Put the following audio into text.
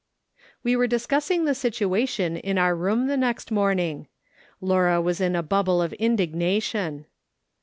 "We were discussing the situation in our room the next morning. Laura was in a bubble of indig nation.